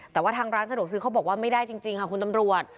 แต่ว่าทางร้านสะดวกซื้อเขาบอกว่าไม่ได้จริงค่ะคุณตำรวจ